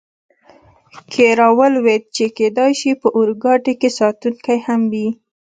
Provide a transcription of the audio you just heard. کې را ولوېد، چې کېدای شي په اورګاډي کې ساتونکي هم وي.